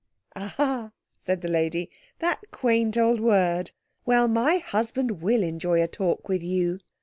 "Ah," said the lady, "that quaint old word! Well, my husband will enjoy a talk with you.